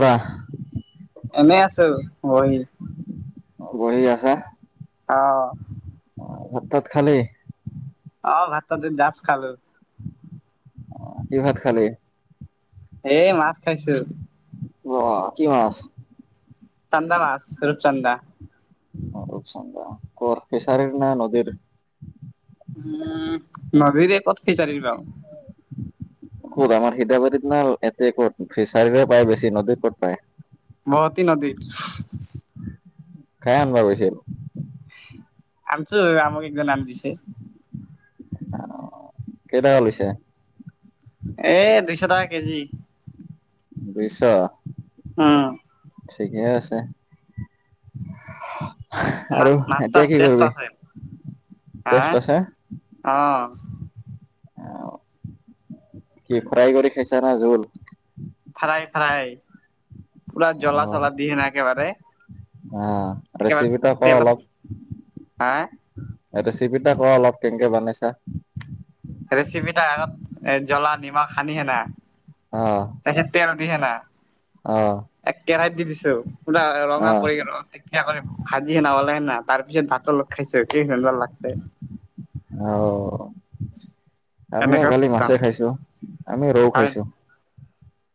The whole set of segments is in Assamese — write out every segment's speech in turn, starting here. ধৰা এনেই আছু বহি । বহি আছা। আহ। অ ভাত চাত খালি? অ ভাত চাট যে যাষ্ট খালো। অ কি ভাত খালি? এই মাছ। খাইচো। অ, কি মাছ? চান্দা মাছ, ৰুপচন্দা। অ ৰূপচন্দা, কৰ ফিচাৰীৰ নে নদীৰ? উম নদীৰে ক ফিচাৰিৰ বাও। ক'ত আমাৰ সীতাপাৰীত না এট ক'ত ফিচাৰীৰে পায় বেছি নদীত ক'ত পায়? বহতি নদীত। কাই আনব গৈছিল। আমচো আমোক একজন নাম দিছে। আহ কেইটকা লৈছে? এ দুইশ টকা কেজি। দুইশ। আহ। ঠিকেই আছে। না আৰু নাস্তা এতিয়া কি টেষ্ট কৰিবি আছে হা, টেষ্ট আছে অ। কি ফ্ৰাই কৰি খাইছা না জোল? Fry fry. পুৰা জ্বলা চলা দিয়ে নে একেবাৰে। আঁহ একেবাৰে ৰেচিপিটো আকৌ তেলত অলপ হা সতে চিপিটা কৰ অলপ কেনেকে বনাইছা। ৰেচিপিটা আগত এ জ্বলা নিমখ সানিহে নাই। অ তাৰপিছত তেল দিহে না, অ এক কেৰাহী দি দিছো, পোৰা ৰঙা কৰি কৰি ভাজিহে ন ওলাই না । তাৰ পিছত ভাত অলপ খাইছো কি কেনেকুৱা লগতে আমিওঁ কালি মাছে খাইছো, আমিওঁ ৰৌ হয় খাইছো।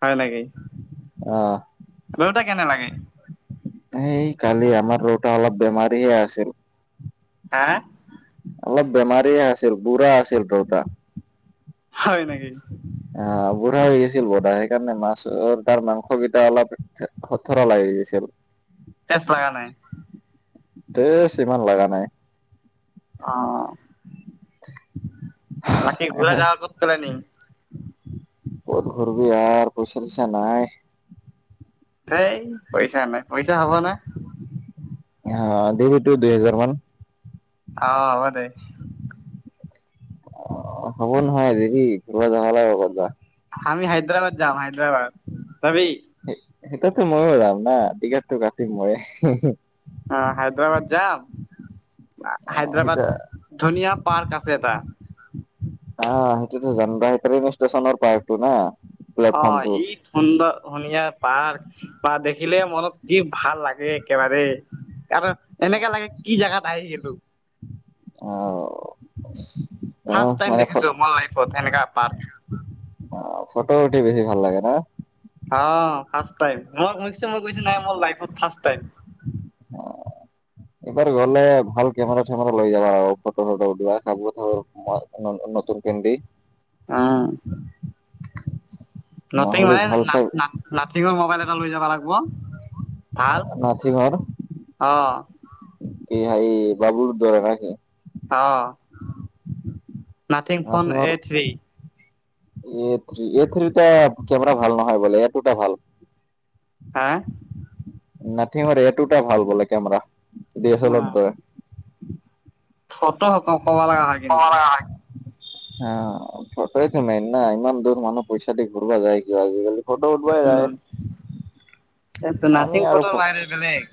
হয় লাগে। অ। দেউতা কেনে এই কালি আমাৰ ৰত অলপ বেমাৰীে আছিল। হাঁ অলপ বেমাৰী আছিল বুঢ়া আছিল দেউতা। হয় নেকি? আহ বুঢ়া হৈ গৈছিল বধা সেইকাৰণে মাছ তাৰ মাংসকেইটা অলপ খথৰা লাগি গৈছিল। তেচ লগা নাই। তেছ ইমান লগা নাই। আঁহ [unintelligible] নাকি ঘূৰা যাবা কৰত নি ক'ত ঘুৰব আৰু পইচা চাই নাই সেই পইচা নাই পইচা হব ন অঁ দে তো দুই হোজাৰ মান অঁ হব দে অঁ হ'ব নহয় দেৰি আমি হাইদৰাবাদ যাম। বাদ যাবি সেইটোতো ময়ো যাম না টিকতো কাটি মৰে অ হায়দৰাবাদ যাম অ সেইটা হায়দৰাবাদ ধুনিয়া পাৰ্ক। আছে এটা আঁহ সেইটোতো জানিবা সেইকাৰ ষ্টেশচনৰ পাৰ্টো না অঁ প্লেটফৰ্মটোৰ এই ধন্দ শুনিয়া ৰ্পাক বা দেখিলে মনত কি ভাল লাগে একেবাৰে কাৰ এনেকাে লাগে কি জেগাত আহি সটো আঁহ ফাৰ্ষ টাইম দেখিছো মন লাইফত সেনেকা পাৰ্ক। বছি ভাল লাগে ন অ ফাৰ্ষ্ট টাইম মই গৈছো মই গৈছো নাই মোৰ বায়েকত ফাৰ্ষ্ট এইবাৰ গলে ভাল কেমেৰা চমেৰা লৈ যাবা আৰু ফটো চটো উঠিবা খাব নতুন কে আহ নাথিং নহ'লে মানে ভাল চাই না নাথিঙৰ কবাই এ লৈ যাবা লাগিব। ভাল নাথিঙৰ অ। কি ভাই বাবুৰ দ্বাৰ নাকি? অ নাথিং ফোন নাথিঙৰ A three A three A থ্ৰীটা কমেৰা ভাল নহয় বলে এ টুটা ভাল। হা নাথিংত এইটোকে ভাল বোলে কেমৰা। দিয়ে চেলাৰৰ দৰে। ফটো আকক। কবা লাগা নাই কিন্তু। হা ফটোই টো মেন না ইমান দূৰ মানুহ পইচা ঘূৰবা যায় কিয় আজিকালি। ফটো উঠবাই যায়। এইটো নাচিং ফটো নাইৰে বেলেগ।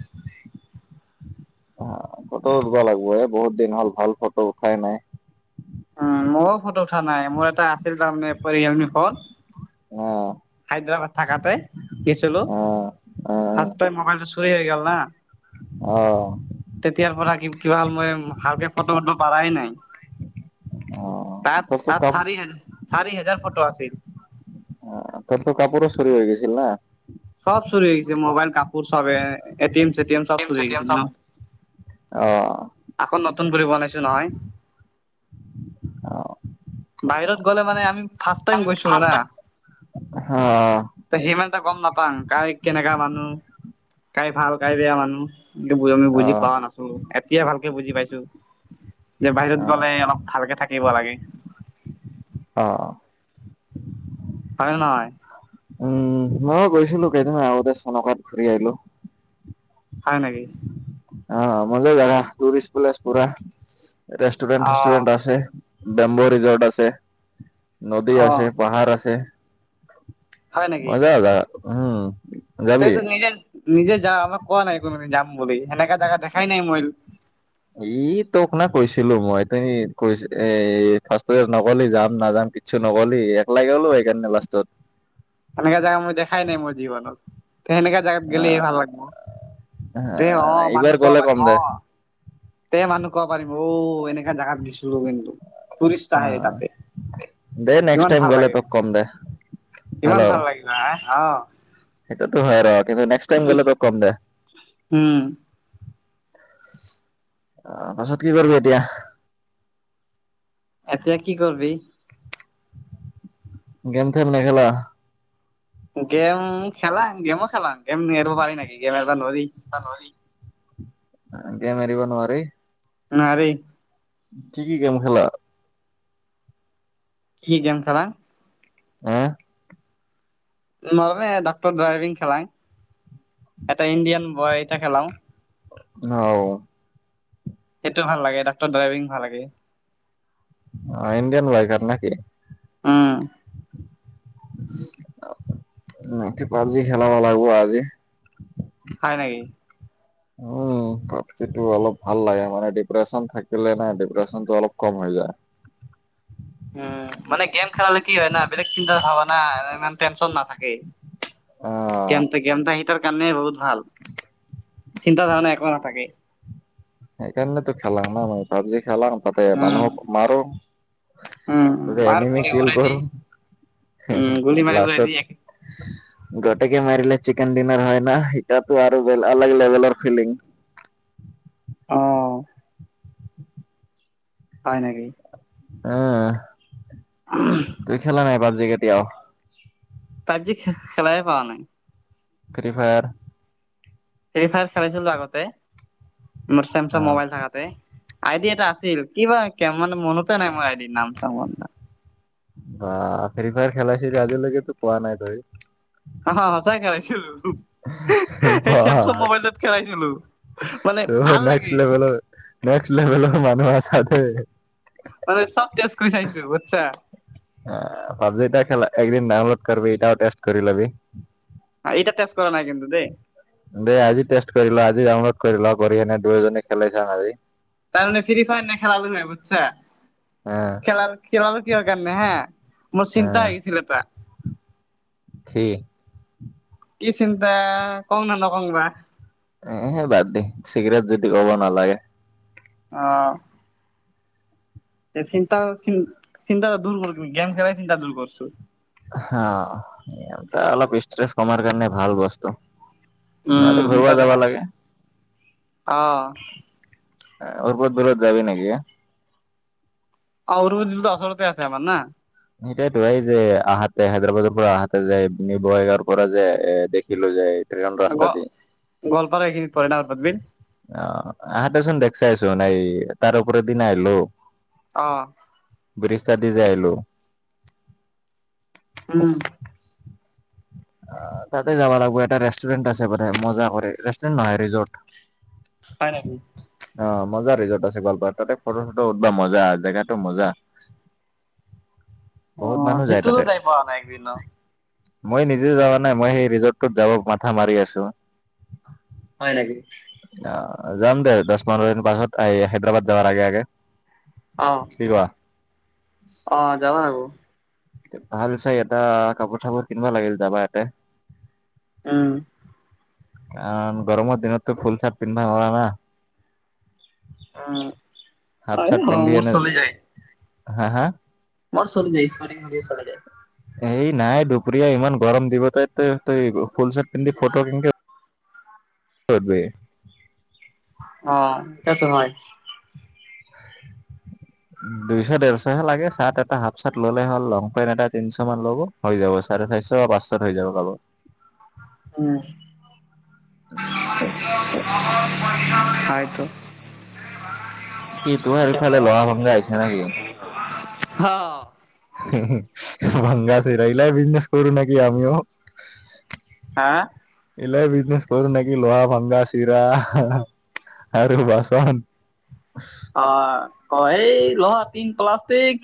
হা, ফটো উঠবা লাগব এ, বহুত দিন হ'ল ভাল ফটো উঠাই নাই। উম মইয়ো। ফটো উঠা নাই মোৰ এটা আছিল তাৰমানে [unintelligible] ফল আ হায়দৰাবাদ থাকাতে গেছিলো অ', অ', ফাৰ্ষ্টে টাইম মোবাইলটো চু চুৰে হৈ গল না। অ', তেতিয়াৰ পৰা কিবা হ'ল মই ভালকে ফটো উঠব পাৰাই নাই। অ', তাত- তোৰতো তাত কাপ চাৰি হাজ- চাৰি হাজাৰ ফটো আছিল । তৰতো কাপোৰো চুৰি হৈ গেছিল না। চব চুৰি হৈ গেচি মোবাইল কাপোৰ চবে এটিয়েম চেটিয়েম চব অ', চুৰি হৈ গেছিল ন আকৌ নত নতুন কৰি বনাইছো নহয় অ', [inaudible] বাহিৰত গলে মানে ফাৰ্ষ্ট টাইম গৈছিলো না [unintelligible] হা । তে গম নাপ পাং কাই কেনেকা মানুহ কাই ভাল কাই বেয়া মানুহ এইবোৰ আমি বুজি পোৱা নাছো এতিয়া ভালকে বুজি পাইছো। যে বাহিৰত অ', গলে অলপ ভালকে থাকিব লাগে। অ', হয় নে নহয় [inaudible] উম মইও গৈ ছিলো কেইদিনমান আগতে চনকাত ঘূৰি আহিলো। হয় নেকি? অহ, মজা জাগা টুৰিষ্ট প্লেছ পুৰা। ৰেষ্টুৰেণ্ট অ', ঠেষ্টুৰেণ্ট আছে। বেম্ব ৰিজৰ্ট আছে। নদী অ', আছে পাহাৰ আছে। হয় নেকি মজা জাগা। উম, যাবি? তইতো নিজে- নিজে যা আমাক কোৱা নাই কোনোদিন যাম বুলি। সেনেকা জেগা দেখাই নাই মই ই তোক না কৈছিলো মই তুমি কৈছ এ ফাৰ্ষ্টট নকলি যাম নাযাম কিছু নকলি একলাগে হলো সেইকাৰণে লাষ্টত সেনেকা জেগা মই দেখাই নাই মোৰ জীৱনত। সেনেকা জাগাত গেলেহে ভাল লাগব। হ এইবাৰ গলে কম দে। তে মানুহ কব পাৰিম ঔ, এনেকা জেগাত গৈছিলোঁ কিন্তু, টুৰিষ্ট আহে তাতে, দে নেক্সট কিমান টাইম ভাল গ'লে লাগে, তোক কম দে ইমান ভাল লাগিল না হ। অ। সেইটোৱে হয় আৰু কিন্তু নেক্সট টাইম গলে ত কম দে। উম, তাৰ পাছত কি কৰিবি এতিয়া? এতিয়া কি কৰবি? গেমথেম নে খেলা? গেম খেলা, গেমো খেলাম গেম এৰব পাৰি নকি গেমে। ধ নি গেম এৰিব নোৱাৰি। নোৱাৰি। ঠিকেই গেম খেলা কি গেম খেলা? হে? নে ডাক্তৰ ড্ৰাইভিং খেলাং, এটা ইণ্ডিয়ান বয় এটা খেলাও। অ। সেইটো ভাল লাগে ডাক্তৰ ড্ৰাইভিং ভাল লাগে। অ ইণ্ডিয়ান বাইকাৰ নেকি? উম। তি পাবজি খেলাব লাগিব আজি। হয় নেকি উম, পাবজি অলপ ভাল লাগে মানে ডিপ্ৰেশচন থাকিলে নাই ডিপ্ৰেচনটো অলপ কম হৈ যায়। উম, মানে গেম খেলালে কি হয় ন বেলেগ চিন্তা হবা না ইমান টেনচন নাথাকে। অ', গেম ত গেম ত আহি ত। কানে বুত ভাল, চিন্তা ধাৰণা একো নাথাকে। সেইকাৰণে তো খেলাম ন নই ভাব যে খেলাম। ততে উম মানহ মাৰ উম মাৰ গোল উৰাই দি, কৰো উম গোলি মাৰ উৰাই দি গোটে মাৰিলে চিকেন ডিনাৰ হয় ন সাতো আৰু অলগ লেভেলৰ ফিলিং। অ। হয় নেকি। অ। তুই খেলা নাই এবাৰ? কেতিয়াও? পাবজি খে খেলাই হোৱা নাই ফ্ৰী ফায়াৰ ফ্ৰী ফায়াৰ খেলিছিলো আগতে মোৰ ছেমচং অ', মোবাইল থাকতে আইদি এটা আছিল কিবা কে মানে মনতে নাই মই আইদি নাম চাম বা ফ্ৰী ফায়াৰ খেলাইছিলি আজিলৈকেতো পোৱা নাই তই অহ সঁচাই খেলাইছিলো সেই চেমচং মোবাইলত খেলাইছিলো মানে বাহ ভাল নেক্সট লাগে থাকে মানে চব টেষ্ট কৰি চাইছোঁ বুজছা এ পাবজি টা খেলা একদিন ডাউনলোড কৰিবি এইটাও টেষ্ট কৰি লবি এতিয়া টেষ্ট কৰা নাই কিন্তু দেই দে আজি টেষ্ট কৰিলা আজি আ কৰিবা কৰি কিনে দুয়োজনে খেলাই চাম আজি তাৰ মানে ফ্ৰী ফায়াৰ নে খেলালো নাই অ'। বুজিছা খেলাৰ খেলালো কিহৰ কাৰণে হা মোৰ চিন্তা হৈ গৈছিল এটা সেই কি চিন্তা কং না নকং বা এহে বাদ দি চিগৰেট যদি ক'ব নালাগে আহ চিন্তা চি চিন্তা দূৰ কৰ গেম খেলাই চিন্তা দূৰ কৰছো অ অলপ ইচট্ৰেছ কমাৰ কাৰণে ভাল বস্তু নহ'লে উম ঘূৰিব ত যাব লাগে অ আ ওপৰত গ'লত যাবি নেকি অ অৰ আচলতে আছে আমাৰ না সেইটোয়েতো এই যে আহাতে হায়দৰাবাদৰ পৰা আহাতে যে বঙাইগাঁৱৰ পৰা যে এ দেখিলো যে গ ৰাস্তা দি গোৱালপাৰা এইখিনিত পৰে না অৰুবিল অ আহোতে চোন দেখ চাইছো নাই তাৰ ওপৰেদি সেইদিনা আহলো অ বৃষ্টা দি যে আহিলো উম অঁ তাতে যাব লাগব এটা ৰেষ্টুৰেণ্ট আছে মানে মজা কৰে ৰেষ্টুৰেণ্ট নহয় ৰিজৰ্ট। হয় নেকি অঁ মজা ৰিজৰ্ট আছে গোৱলপাৰাত, তাতে ফটো চটো উঠবা মজা, জেগাটো মজা। অ বহুত মানুহ যায় তাতে সেইটোতো যাই পোৱা নাই একদিন অ। মই নিজেও যাবা নাই, মই সেই ৰিজৰ্টটোত যাব মাথা মাৰি আছোঁ। হয় নেকি। অঁ যাম দে, দছ পোন্ধৰ দিনৰ পাছত আহ হেয়দৰাবাদ যাৱাৰ আগে আগে। অ কি কোৱা? অ যাবা লাগব। ভাল চায় এটা কাপোৰ চাপোৰ কিনিব লাগিল যাবা ইয়াতে। উম। অঁ গৰমৰ দিনতো ফুল চাট পিন্ধা হোৱানা। অ পিন্ধি মোৰ এনে চলি যায়। হা হা? মৰ চলি যায় স্পৰ্টিং হলি চলি যায় । এই নাই দুপৰীয়া ইমান গৰম দিব, তই তই তই ফুল চা ট পিনডি ফটো কেংকে উঠবি? অঁ তেওতো হয়। দুইছ ডেৰছহে লাগে। চাৰ্ট এটা হাফ চাৰ্ট ললে হ'ল, লং পেণ্ট এটা তিনিশ মান ল'ব হৈ যাব চাৰে চাৰিশ পাঁচশত হৈ যাব কাব উম। হয়তো। সেইটোৱে এইফালে লহা পাম বুলি আহিছে না কি? হ ভংগাছে ৰা এইলাই বিজনেছ কৰো নেকি আমিও [unintelligible] হা? এইলাই বিজনেচ কৰো নেকি, লহা ভাংগা চিৰা আৰু বাচন। অঁ ক এই লহা টিং প্লাষ্টিক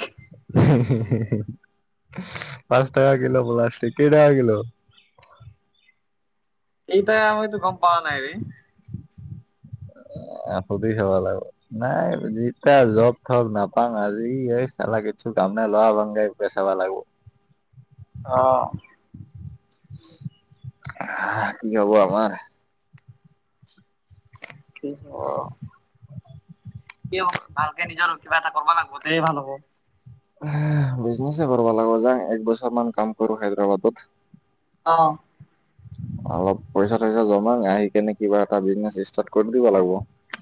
পাঁচ টাকা কিলো প্লাষ্টিক কেই টকা কিলো? এই তা আমিতো গম পাৱ নাই ৰে সুধি চাবা লাগব, নাই যেতিয়া জব থব নাপাওঁ আজি এই চালা কিছু কাম নে লহা ভাংগাই বেচাবা লাগব। অ। হা, কি হব আমাৰ? কি হ'ব! কি হ'ব, ভালকে নিজৰ কিবা এটা কৰবা লাগব, তে ভাল হ'ব। বিজনেছে কৰিব লাগিব যাওঁ একবছৰ মান কাম কৰো হায়দৰাবাদত অ। অলপ পইচা থইচা জমা, আহি কেনে কিবা এটা বিজনেচ ষ্টাৰ্ট কৰি দিবা লাগব।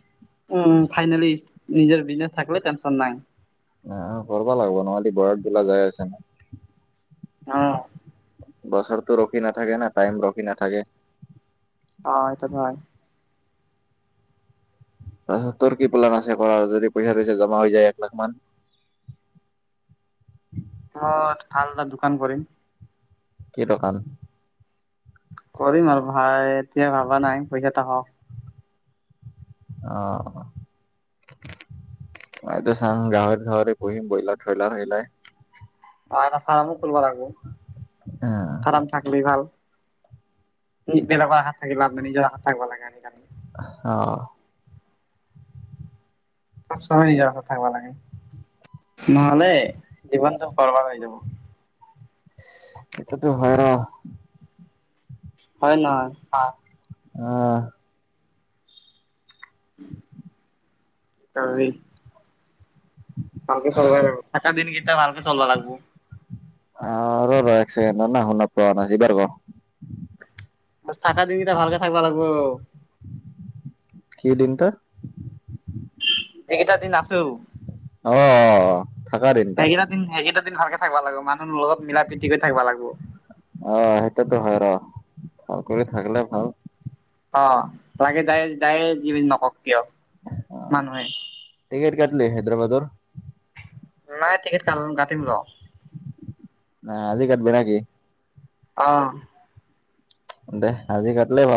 উম ফাইনেলি নিজৰ বিজনেছ থাকিল টেনচন নাই । অ কৰবা লাগব, নহলে বয়সগিলা যাই আছে না। অ। বছৰটো ৰখি নাথাকে না টাইম ৰখি নাথাকে অ এইটোটো হয়। তাৰ পিছত তৰ কি প্লেন আছে কৰাৰ যদি পইচা থৈছে জমা হৈ যায় এক লাখ মান অ আলদা দোকান কৰিম। কি দোকান? কৰিম আৰু ভাই এতিয়া ভাবা নাই পইচাটা হওক। অ মইতো চাং গাহৰি চাহৰি পুহিম ব্ৰইলাৰ থ্ৰইলাৰ হেই‌গিলাই ম চ [unintelligible] খুলবা লাগব আৰাম থাকলি ভাল। বেলেগৰ হাত থাকি লাভ নাই নিজৰ হাত থাকিব লাগে অহ চব চময় নিজৰ হাতত থাকিবা লাগে নহলে জীৱনটো বৰ্বাদ হৈ যাব। এটোতো হয় ৰ উ [inaudible] হয় নহয়। আহ। তেই কালকে চল থকা দিন ভালকে চলা লাগিবো। আহ ৰ ৰ এক চকেণ্ড ন শুন পোৱা না এই বাৰ ক। আৰু চাকা দি ত ভালকে থাকবা লাগিব। কি দিন ত যিকেইটা দিন আছো। অ অ থাকা দিনটা সেইকেইটা দিন সেইকেইটা দিন ভালকে থাকবা লাগ ব মান অলপ মিলা প্ৰীতি কৰি থাকিবা লাগিব। ভালক থাকলে ভাল। অ, লাগে যায় যায় য নকক। কিয়, মানুহে। হেদ্ৰাবাদৰ। নাই টিকেট ক কাটিম ল। ন আজিক কাতবে নেকি? আহ। দে আজি কাটলে ভাল।